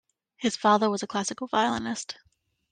His father was a classical violinist.